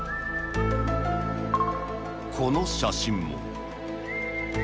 この写真も。